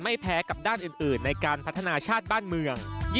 แพ้กับด้านอื่นในการพัฒนาชาติบ้านเมือง